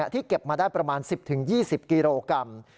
ที่เก็บมาได้ประมาณ๑๐๒๐กิโลกรัม